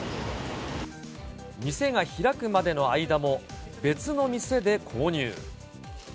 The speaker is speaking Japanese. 店が開くまでの間も、別の店で購入。